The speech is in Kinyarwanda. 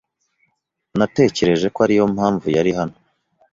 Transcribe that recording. Natekereje ko ariyo mpamvu yari hano.